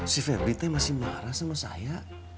si febri teh masih marah sama saya